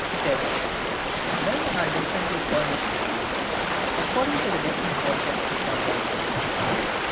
7. Men are differently furnished with these, according to the different Objects they converse with.